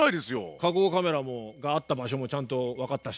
火口カメラがあった場所もちゃんと分かったし。